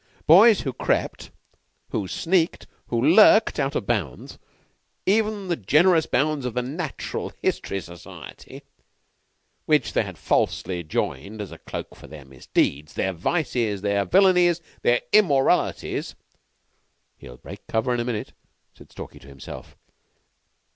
Boys who crept who sneaked who lurked out of bounds, even the generous bounds of the Natural History Society, which they had falsely joined as a cloak for their misdeeds their vices their villainies their immoralities "He'll break cover in a minute," said Stalky to himself.